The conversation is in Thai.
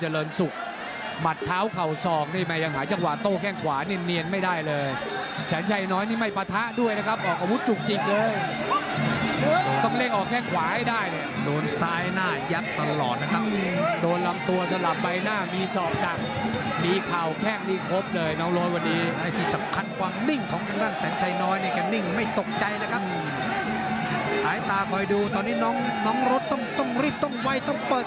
อเจมส์ขวาเนี่ยเนียนไม่ได้เลยแสนชัยน้อยเนี่ยไม่ปะทะด้วยนะครับออกอาวุธจุกจิกลงต้องเล่นออกแค่ขวาให้ได้เลยครับอเจมส์โดนซ้ายหน้ายับตลอดนะครับอเจมส์โดนลำตัวสลับไปหน้ามีสอบดักมีเข่าแค่นี้ครบเลยน้องโรยวันนี้อเจมส์ที่สำคัญความนิ่งของด้านแสนชัยน้อยเนี่ยก็นิ่งไม